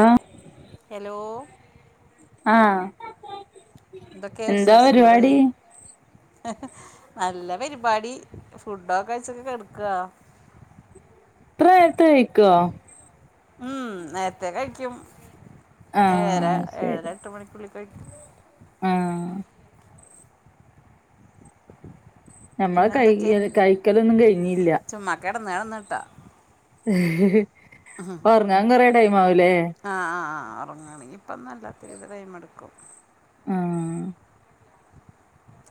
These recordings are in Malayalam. ആഹ് ഹലോ? ആഹ് എന്തൊക്കെ എന്താ വിശേഷങ്ങള് പരിപാടി ഇത്ര ഹി ഹെ നല്ല പരിപാടി ഫുഡൊക്കെഴിച്ചൊക്കെ കെട്ക്കാ ഇത്ര നേരത്തെ കഴിക്കോ? ഉം നേരത്തെ കഴിക്കും ഏഴര ആഹ് ഏഴര ശരി എട്ട് മണിക്കുള്ളിൽ കഴിക്കും. ആഹ് ഞമ്മളെ പിന്നെന്തൊക്കെ കഴികല് കഴിക്കലൊന്നും കഴിഞ്ഞില്ല. കെടന്ന് കെടന്നിട്ട ഏഹ് ഹി ഹെ ഉഹും ങ്ങാൻ കുറേ ടൈംമാവൂലേ? ആഹ് ആഹാ ആഹാ ഉറങ്ങാണെങ്കി ഇപ്പൊന്നല്ലാത്തിരി ടൈം എടുക്കും ആഹ്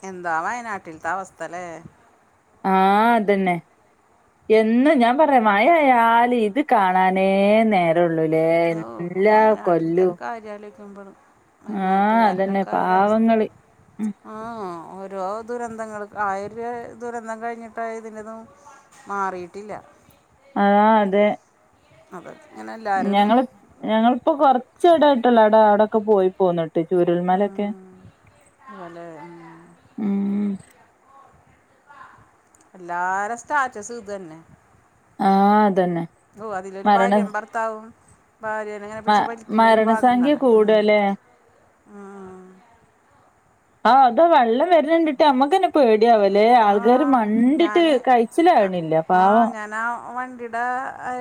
എന്താ വയനാട്ടിൽത്തെ അവസ്ഥല്ലേ? ആ അതന്നെ. എന്ന് ഞാൻ പറയാ മാഴ ആയാല് ഇത് കാണാനേ നേരം രള്ളൂല്ലേ എല്ലാ കൊല്ലും ത് അലോയ്‌ക്കുമ്ബാണ് ആഹ് അതന്നെ വയനാട്ടുകാരുടെക്ക ഒര വസ്ഥ പാവങ്ങള് ആ ഓരോ ദുരന്തങ്ങൾ ആയിടെ ദുരന്തം കഴിഞ്ഞിട്ടാ ഇതിന്റതും മാറിയിട്ടില്ല ആഹ് അതെ അതക് ഇങ്ങനെ എല്ലാരും ഞങ്ങള് ഞങ്ങളിപ്പോ കൊറച്ച്ടായിട്ടുള്ളൂ അവിടെ അവിടെക്കെ പോയി പോന്നിട്ട് ട്ട് ചൂരൽ മലൊക്കെ ഉം, അതുപോലെ ഉം, ഉും എല്ലാര സ്റ്റാറ്റസും ഇതന്നെ ആഹ് ഇതന്നെ ഓ അതിലൊരു ഭാര്യ ഭർത്താവും. ഭാര്യനെങ്ങനെ മ പിടിച്ച് വലിക്കണ ഒരു ഭാഗം മരണസംഖ്യ കണ്ട ഉും കൂടല്ലേ ആഹ് അത് വെള്ളം വരണണ്ടിട്ട് മ്മക്കെ പേടിയാവല്ലേ ആൾക്കാർ ആഹ് മണ്ടിട്ട് കഴിച്ചിലാണില്ല പാവം ഞാനാവണ്ടിട്ത് ദാ അയ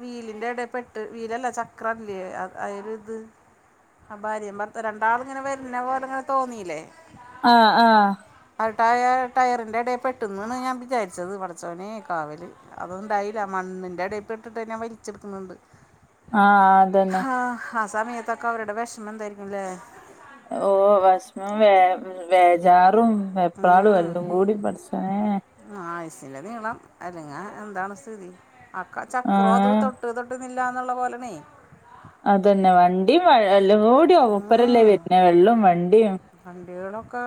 വീലിന്റെ ഇടെ പെട്ട് വീലല്ല ചക്രല്ലേ അയില് ഇത് ആ ഭാര്യം ഭർത്ത രണ്ടാളും ഇങ്ങനെ വരുന്ന പോലങ്ങനെ തോന്നീല്ലേ? ആഹ് ആഹ് ആട്ടയ ടയറിൻ്റെ ഇടയിൽ പെട്ടുന്ന്ന ഞാൻ വിചാരിച്ചത്. പടച്ചവനെ കാവല് അത്ണ്ടായില്ല മണ്ണിന്റെ എടെ പെട്ടിട്ടെന്നെ വലിച്ചെടുക്ക് ണ് ണ്ട് ആഹ് അതന്നെ ആഹ് ആ സമയത്തക്ക അവരുടെ വെഷ്മം എന്തായിരിക്കുംല്ലെ? ഓ വെഷ്മം വേ വേജാറും. എപ്പളാത് വെല്ലും കൂടി പട്ച്ചൊനേ ആയുസിന്റെ നീളം അല്ലെങ്ങ എന്താണ് സ്ഥിതി അക്ക ചക്രവും അത് തൊ ആഹ് തൊട്ട് തൊട്ടുന്നില്ലാന്നുള്ള പോലെണേ അതെന്നെ വണ്ടി എല്ലും കൂടി ഒപ്പരല്ലേ ഉം. വര്ന്നെ വെള്ളും വണ്ടിം വണ്ടികളൊക്കെ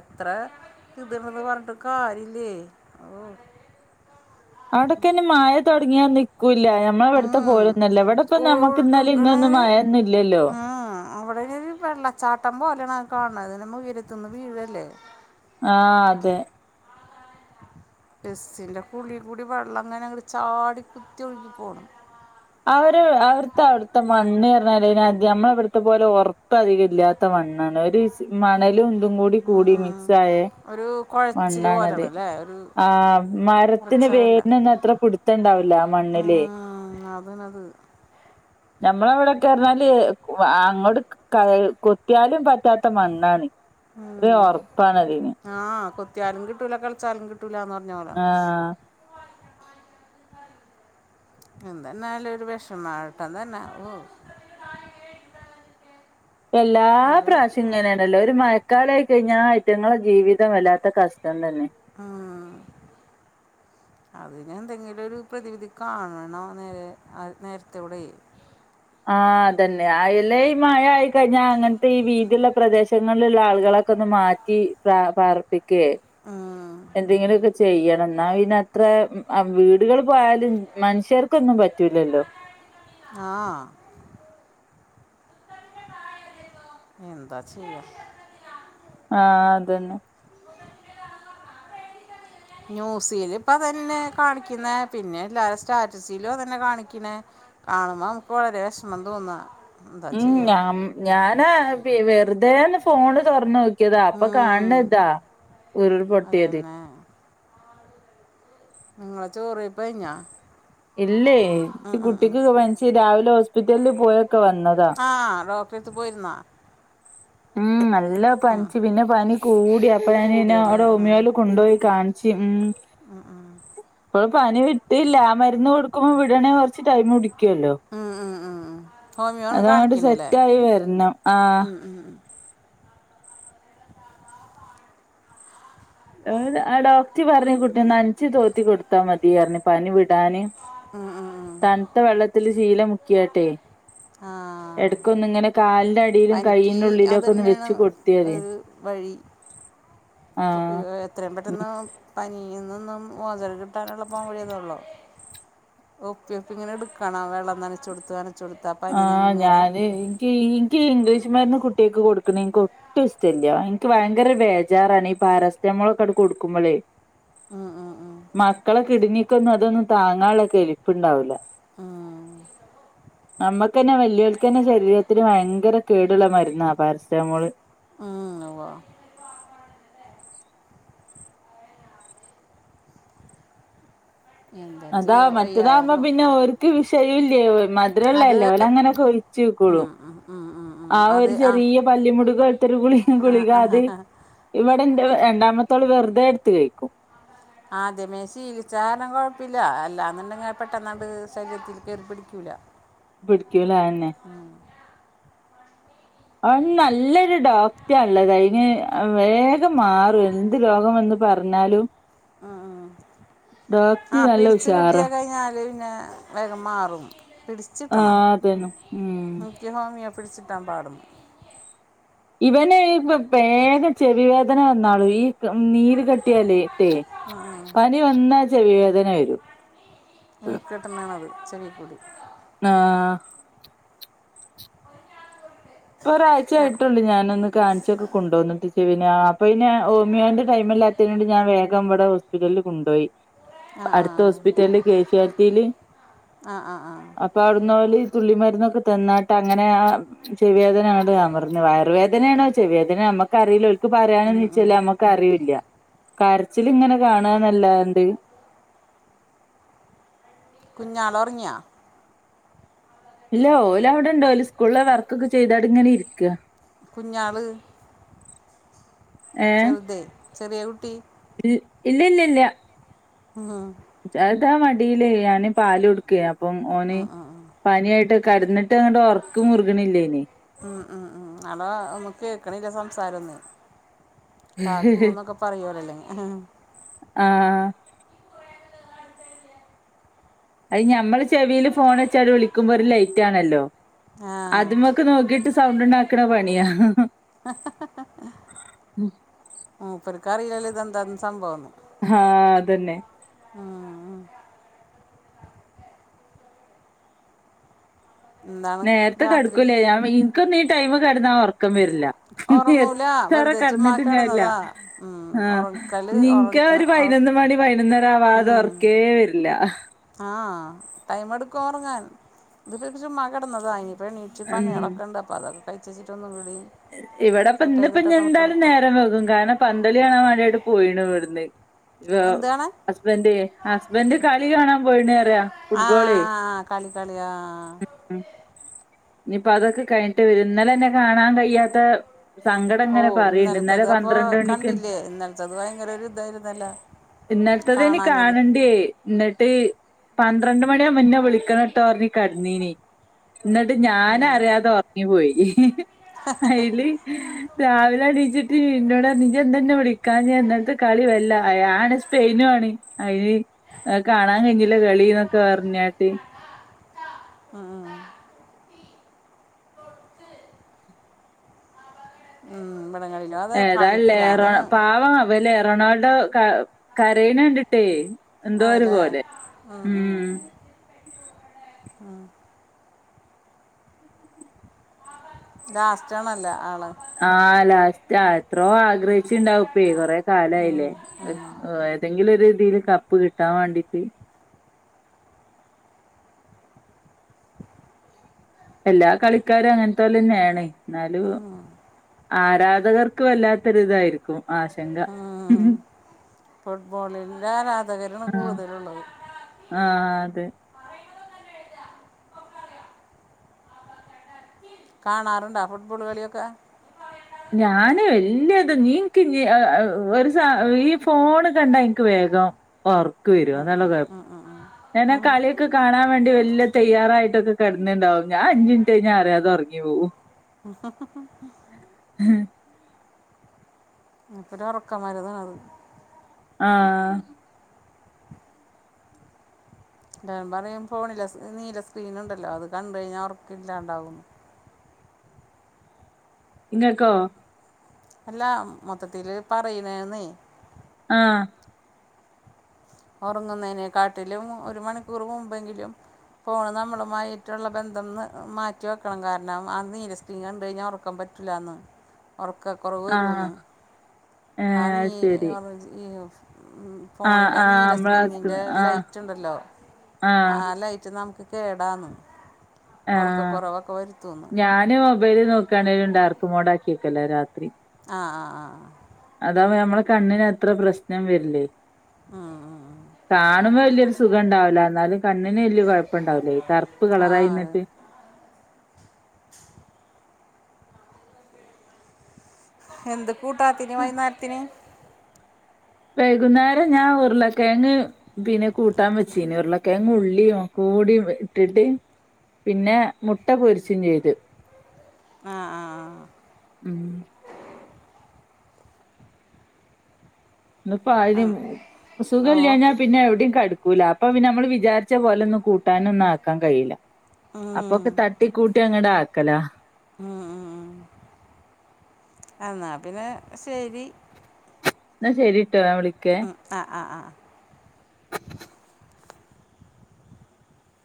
എത്ര ഇത് ണ്ട്ന്ന് പറഞ്ഞ്ട്ടും കാര്യല്ലേ അവിടൊക്കെ അയിന് മഴ തൊടങ്ങിയാ നിക്കുല്ല ഞ മ്മ ഇവിട്ത്തെ ഉം. പോലൊന്നു അല്ല ഇവിടെപ്പ നമ്മുക്ക് ഇന്നലിം ഇന്നൊന്നും ഓടുകണത് മഴൊന്നും ഇല്ലല്ലോ അവിടൊരു വെള്ളച്ചാട്ടം പോലെയാണ് കാണുന്നത് അതിന് ഉയരത്ത് നിന്ന് വീഴല്ലേ ആഹ് അതെ ബസ്സിന്റൊകുള്ളിൽ കൂടി വെള്ളം ഇങ്ങനങ്ങട് ചാടി കുത്തി ഒഴികിപോണ് ആ ഒരു അവട്ത്തെ അവട്ത്തെ മണ്ണ് അർഞ്ഞാല് നമ്മളെ ഇവിട്ത്തെ പോലെ ഒറപ്പ് അധികം ഇല്ലാ ത്ത മണ്ണാണ് ഒരു മണലും ഇതുംകൂടി കൂടി മിക്സായെ ഒരു കുഴച്ചിൽ മണ്ണാണത് പോലെയാണ് അല്ലേ ഒരു ആഹ് മരത്ത്ന്റെ ഉറച്ചതല്ല വേര്നൊന്നും അത്ര പുട് ത്തണ്ടാവുല ആ മണ്ണ്ല് ഉം അതാണ് അത് ഞമ്മളെ ഇവിടെക്കെ പറഞ്ഞാല് അങ്ങോട്ട് കൊത്തിയാലും പറ്റാ ത്ത മണ്ണാണ് അത്രിം ഉറപ്പാണ് അതിന് ആഹ് കൊത്തിയാലും കിട്ടൂല കെളച്ചാലും കിട്ടൂല്ല എന്ന് പറഞ്ഞ പോലെ ആ എന്തന്നായാലു ഒരു വെഷമാ ഏട്ടൻ തന്നെ എല്ലാ ഒരു പ്രാശ്യു ഇങ്ങനെയാണല്ലോ ഒരു മഴക്കാലായി കഴിഞ്ഞാൽ അയിറ്റങ്ങളെ ജീവിതം വല്ലാത്ത കഷ്ടം തന്നെ ഉം. അതിന് എന്തെങ്കിലും ഒരു പ്രതിവിധി കാണണം നേരെ നേരത്തെവിടെ ആഹ് അതെന്നെ അയല്ലേ ഈ മഴ ആയിക്കഴിഞ്ഞാൽ അങ്ങനത്തെ ഈ വീതിള്ള പ്രദേശങ്ങളില്ള്ള ആള്കളൊ ക്കൊന്ന് മാറ്റി പ്ര പാർപ്പിക്കേ ആഹ് എന്തെങ്കിലൊക്കെ ചെയ്യണം ഇന്നാ പിന്നത്ര വീടുകൾ പോയാലും മനുഷ്യർക്കൊന്നും പറ്റൂലല്ലോ ആഹ് എന്താ ചെയ്യ ആഹ് അതെന്നെ ന്യൂസീല് ഇപ്പതന്നെ കാണിക്ക്ന്നേ പിന്നെ എല്ലാരെ സ്റ്റാറ്റസിലും അതന്നെ കാണികണെ കാണുമ്പോ നമുക്ക് വളരെ വെഷമം തോന്നാ ഉം ഞാ ഞാനാ വെറുതേന്ന് ഫോണ് തൊറന്ന് നോക്കിയതാ അപ്പൊ കാണ് ണെ ഇതാ ഉരുൾ പൊട്ടിയത് അതന്നെ ഉം ഇങ്ങളെ ചോറെയ്പ്പ കഴ്‌ഞ്ഞാ ഇല്ലേ കുട്ടിക്ക് പനിച്ചു രാവിലെ ഹോസ്പിറ്റൽല് പോയൊക്കെ വന്നതാ ആഹ് ഡോക്ടറെത്ത് പോയിരുന്നോ ഉം നല്ല ഉം. പനിച്ച് പിന്നെ പനി കൂടി അപ്പ ഞാന് പിന്നെ കൂടിയല്ലേ അവിടെ ആ ഓമിയോല് കൊണ്ടോയി കാൺ ച്ച് ഉം ഇപ്പ പനിവി ട്ടില്ലാ ആ മരുന്ന് കൊടുക്കുമ്പോ വിടണേ കൊറച്ച് ടൈം പുടിക്കോല്ലോ ഉം ഉം ഉം ഹോമിയോല കാണിക്ക്ണേലേ സെറ്റ് ആയി വരണം ആഹ് ഉം ഉം [unintelligible] ഏഹ് ആ ഡോക്ടർ പറഞ്ഞ് കുട്ടിനെ നൻഞ്ച് തോത്തി കൊടുത്താ മതി പറഞ് പനി വിടാന് ആഹ് ആഹ് തൺത്ത വെള്ളത്തില് ശീല മുക്കിയാട്ടെ ആഹ് എടക്ക് ഒന്ന് ഇങ്ങനെ കാലിന്റെ അടിയിലും കയ്യിന്റെ ഉള്ളിലും അത് ഒക്കെ ഒന്ന് തന്നെയാണ് വെച്ചു കൊടുത്തിയതി ഒരു വഴി എത്രയും പെട്ടെന്ന് പനിന്നന്നും മോചനം കിട്ടാനുള്ള പോൻവഴി അതൊള്ളൂ ഒപ്പി ഒപ്പി ഇങ്ങനെടുക്കണം വെള്ളം നനച്ചു കൊടുക്കാന് ആഹ് ഞാന് എനിക്ക് എനിക്ക് ഇംഗ്ലീഷ് മരുന്ന് കുട്ടികൾക്ക് കൊടുക്കണെ എനിക്ക് ഒട്ടും ഇഷ്ടല്ല എനിക്ക് ഭയങ്കര ബേജാറാണ് ഈ പാരസെറ്റാമോൾ ഒക്കെ കൊടുക്കുമ്പോളേ ഉം, ഉം, ഉം. മക്കളെ കിഡ്‌നിക്കൊന്നും അതൊന്നും താങ്ങാനുള്ളക്കെ കെൽപ്പ് ഉണ്ടാവൂല്ല ഉം നമ്മുക്ക് തന്നെ വല്യവർക്ക് തന്നെ ശരീരത്തിന് ഭയങ്കര കേടുള്ള മരുന്നാ പാരസെറ്റാമോള് ഉം ഊവ എന്താ അതാ ചെയ്യാ വയ്യായ മറ്റേതാകുമ്പോ മ- പിന്നെ ഓർക്ക് വിഷയമില്ലേ അത് മധുരമുള്ളല്ലേ അവര് അങ്ങനെക്കെ ഉം ക്കൂളും ഉം ഉം ഉം ഉം. ആ ഒരു അത് ആ ചെറിയ പല്ലിമുടുകത്തൊരു ഗുളിക ആ ആ, ഗുളികത് ആ. ഇവിടെ എൻ്റെ രണ്ടാമത്തോള് വെറുതെ എടുത്തു കഴിക്കും ആദ്യമേശീലച്ചാല് കുഴപ്പില്ല അല്ലാ എന്നുണ്ടെങ്കിൽ പെട്ടെന്നണ്ട് ശരീരത്തിൽ കയറി പിടിക്കൂല്ല പിടിക്കലന്നെ ഉം അവ നല്ലൊരു ഡോക്ടറാഉള്ളത് അതിന് വേഗം മാറും എന്ത് രോഗം വന്ന് പറഞ്ഞാലും ആഹ് ഡോക്ടർ ആഹ്ആഹ് നല്ല പിടച്ച് ഉഷാറാ കിട്ടിയാ കഴിഞ്ഞാല് പിന്നെ വേഗം മാറും പിടിച്ചിട്ടണം ആഹ് അതന്ന ഉം എനിക്ക് ഹോമിയോ പിടിച്ചിട്ടാൻ പാടുള്ളു ഇവന് ഇപ്പ വേഗം ചെവി വേദന വന്നാലു ഈ നീര് കെട്ടിയാല് ഉം, ഉം. പനി വന്നാ ചെവി വേദന വരും നീർക്കൊട്ടുന്നതാണ് അത് ചെവിക്കൂടി ആഹ് ഇപ്പ ഒരാഴ്ച ഏ, ആയിട്ടുള്ളു ഞാനൊന്ന് കാൻസൊ ഒക്കെ കൊണ്ടുവോന്നിട്ടച്ചേ പിന്ന അപ്പൊ പിന്ന ഓമിയോന്റെ ടൈമല്ലാത്തതിനണ്ട് ഞാൻ വേഗം ഇവിടെ ഹോസ്പിറ്റലില് കൊണ്ടുപോയി ആ ആ അടുത്ത ഹോസ്പിറ്റലില് കേശാലിറ്റിയില് ആ ആ ആ ആ അപ്പൊ അവിടുന്ന് ഓര് ഈ തുള്ളി മരുന്നൊക്കെ തന്നായിട്ട് അങ്ങനെ ആഹ് ചെവിവേദനയാണ് ഞാൻ പറഞ്ഞു വയറുവേദനയാണോ ചെവി വേദന നമുക്ക് അറിയില്ലോ ഇവർക്ക് പറയാനോ ഉം, ഉം. ചില നമ്മക്ക് അറിയില്ല കരച്ചിലിങ്ങനെ കാണാന്നല്ലാണ്ട് കുഞ്ഞാള് ഉറങ്ങിയ ഇല്ല ഓല് അവിടെ ഉണ്ട് ഓല് സ്കൂളില വർക്കൊക്കെ ചെയ്ത് അവിടെ അങ്ങനെ ഇരിക്കാ കുഞ്ഞാള് ഏ ചെറുതെ ചെറിയ കുട്ടി ഇ ഇല്ല ഇല്ല ഇല്ലാ ആഹ് അതാ മടിയിലേൽ ഞാന് പാല് കൊടുക്കയാ അപ്പം ഓന് പനിയായിട്ട് കിടന്നിട്ട് അങ്ങട്ട് ഉറക്കം മുറുകണില്ലേനെ ആഹ് ആഹ് അതാ നമുക്ക് കേക്കണില്ല സംസാരം ഒന്നും കാ ക്കൂന്നൊക്കെ പറയൂലല്ലേ ആഹ് അത് ഞമ്മള് ചെവിയിൽ ഫോൺ വെച്ചാല് വിളിക്കുമ്പോ ഒരു ലൈറ്റ് ആണല്ലോ ആ അതുമൊക്കെ നോക്കിട്ട് സൗണ്ട് ഉണ്ടാക്കണ പണിയാ ഹ ഹ ഹാ ഹാ മൂപ്പർക്ക് അറിയാല്ലോ ഇതെന്താന്ന് സംഭവം എന്ന് ഹാ അതന്നെ ആഹ് എന്താണ് നേരത്തെ രാത്രി കിടക്കൂലേ ഞാൻ എനിക്കൊന്നും ഈ ടൈം കിടന്നാൽ ഉറക്ക ഉറക്കം വരില്ല ഇനി ഉറങ്ങൂല എത്ര വെറുതെ ചുമ്മാ കിടന്നിട്ടും കാര്യമില്ല കിടന്നതാ ആഹ് ഉറക്കല് നിക്ക് ഉറങ്ങ ഒരു ഉറ പതിനൊന്നുമണി പതിനൊന്നര ആവാതെ ഉറക്കേ വരില്ല ആഹ് ടൈമ് എടുക്കും ഉറങ്ങാൻ ഇത് ഇപ്പി പക്ഷെ ചുമ്മാ കിടന്നതാ ഇനി പ്പെണീച്ച് ഉം പണ്യോളൊക്ക ഇണ്ട് പ്പ അതക്ക കഴ്ച്ചെച്ചിട്ടൊന്നു കൂടി ഏഹ് ഇവിടെപ്പ സെറ്റ് ഇന്നിപ്പ ഞ്ഞി ചെയ്തിട്ടൊക്കെ ഒന്ന് എന്തായ്ലും കിടക്കും നേരം വൈകും കാരണം പന്തളി കാണൻ വേണ്ടിട്ട് പോയിണ് ഇവ്ടുന്ന് ഇവ എന്താണ് ഹസ് ബന്റ് ഹസ്ബന്റ് കളി കാണാൻ പോയിണ് പറയ ആഹ് ആഹ് കളി കളി ആഹ് ഞ്ഞിപ്പോ അതൊക്കെ കഴിഞ്ഞട്ടേ വരൂ ഇന്നലന്നെ കാണാൻ കഴിയാത്ത സങ്കടം ഇങ്ങനെ ഓഹ് പറയ്ണ്ട് ഇന്നലെ ഇന്നലത്തത് അപ്പൊ പന്ത്രണ്ട് മണിക്ക് കണ്ടില്ലേ ഇന്നലത്തത് ഭയങ്കര ഒരു ഇതായിരുന്നല്ലോ ഇന്നലത്തതേന് കാണാഞ്ഞത് കാണണ്ടേ ന്നിട്ട് പന്ത്രണ്ട് മണിയാമ്പ ന്നെ വിളിക്കണട്ടോ പറഞ്ഞി കെടന്നീനി ന്ന് ട്ട് ഞാനറിയാതെ ഒറങ്ങി പോയി അയ്ല് രാവിലെ എണീറ്റ്ട്ട് ഇന്നോടാ നീയെന്താ ന്നെ വിളിക്കാഞ്ഞെ ഇന്നല്ത്തെ കളി വല്ല അയാ ആണെ സ്പെയിനും ആണ് അയ്ന് അത് കാണാൻ കഴിഞ്ഞില്ല കളിന്നൊക്ക പറഞ്ഞട്ട് ആഹ് ഉം ഏതാലേ റൊണ പാവം അവൻ ല്ലേ റൊണാൾഡോ ക കരയണ കണ്ടിട്ടേ എന്തോ ഒരു അതല്ലേ പോലെ ഉം ആഹ് ലാസ്റ്റ് ആണല്ല ആള് ആഹ് ലാസ്റ്റാ എത്രോ ആഗ്രഹിച്ചിണ്ടാവ്പ്പേ കൊറെ കാലയില്ലേ ന്തെങ്കിലും ഒരു രീതില് കപ്പ് കിട്ടാൻ വേണ്ടീട്ട് എല്ലാ കളിക്കാരും അങ്ങനത്തോല് തന്നെയാണ് ന്നാലും ആരാധകർക്ക് വല്ലാത്തൊരി തായിരിക്കും ആശങ്ക ഫുട്ബോളിന്റെ ആരാധകരാണ് ആഹ് കൂടുതല്ള്ളത് ആഹ് അതെ കാണാറ്ണ്ടാ ഫുട്ബോള് കളിയൊക്കെ ഞാന് വല്യ ത് നീൻക്ക് ഇല്ലേ അഹ് അഹ് ഒരു സ ഈ ഫോണ് കണ്ടാ ഇൻക്ക് വേഗം ഒറക്ക് വരും ഉം അതാണ് ഉം കൊഴ ഉം ഉം ഉം. ഞാനാ കള്യൊക്ക കാണാൻ വേണ്ടി വല്ല്യ തയ്യാറായിട്ടൊക്ക കെടന്ന്ണ്ടാവും ഞാൻ അഞ്ച് മിനിറ്റ് കഴിഞ്ഞാ അറിയാതെ ഒറങ്ങി പോവും മൂപ്പര ഒറക്കമരുന്നാണത് ആഹ് ല്ലാരും പറയും ഫോണിലെ സ് നീല സ്ക്രീൻ ഇണ്ടല്ലോ അത് കണ്ടഴിഞ്ഞാ ഒർക്ക ഇല്ലാണ്ടാവുന്ന് ഇങ്ങക്കോ അല്ല മൊത്തത്തില് പറയുന്നേന്നെ ആഹ് ഒറങ്ങുന്നേനെ കാട്ടിലും ഒരു മണിക്കൂർ മുമ്പെങ്കിലും ഫോണും നമ്മളുമായിട്ട്ള്ള ബന്ധം ന്ന് മാറ്റി വെക്കണം കാരണം ആ നീല സ് ക്രീൻ കണ്ടെഴിഞ്ഞാ ഒറക്കം പറ്റൂല്ലാന്ന് [inaudible] ഒറക്ക കൊറവ് ആഹ് വരൂന്ന് ആ ഏഹ് നീ അത് ശരി ഓറഞ്ച് ഈ ഉം ആഹ് ഫോണിന്റെ ആ ആഹ് നീല നമ്മള സ്ക്രീനിന്റെ ആഹ് ലൈറ്റ് ഇണ്ടല്ലോ ആ ആഹ് ലൈറ്റ് നമുക്ക് കേടാന്ന് ഒറക്ക കൊറവൊക്കെ വരുത്തൂന്ന് ഞാനും മൊബൈല് നോക്കാണേലും ഡാർക്ക്‌ മോടാക്കി വെക്കലാ രാത്രി ആ ആആആ അതാവ്മ്പ നമ്മളെ കണ്ണിന് അത്ര പ്രശ്നം വരില്ലേ ആ കാണുമ്പൊ വല്ല്യൊരു സുഖംണ്ടാവൂല എന്നാലും കണ്ണിന് വല്ല്യ കുഴപ്പംണ്ടാവൂലെ കറുപ്പ് ആ കളറായിന്ന് അത് എന്ത് കൂട്ടാത്തിന് വൈന്നേരത്തിന് വൈകുന്നേരം ഞാൻ ഉർളക്കെഴങ്ങ് പിന്നെ കൂട്ടാൻ വച്ചീന് ഉർളക്കെഴങ്ങ് ഉള്ളീം ഒക്കകൂടി വ് ഇട്ടിട്ട് പിന്നെ മുട്ട പൊരിച്ചും ചെയ്തു ആ ആ ഉം ന്ന്‌ പ്പൊ ആ ഉം. ആരീം ഓ സുഖല്യാഞ്ഞാ പിന്നെ എവിടീം കടുക്കൂല അപ്പൊ പിന്നെ നമ്മള് വിചാരിച്ച പോലെ ഒന്നും കൂട്ടാനൊന്നും ആക്കാൻ കഴിയൂല അപ്പൊക്കെ തട്ടി കൂട്ടി അങ്ങട് ആക്കലാ ഉം മ്മ് മ് എന്നാ പിന്നെ ശരി ന്നാ ശരിട്ടോ ഞാ വിളിക്കേ മ് ആ ആആആ [inaudible]